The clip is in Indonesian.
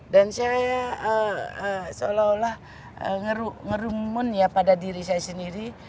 dan saya seolah olah ngerumun ya pada diri saya sendiri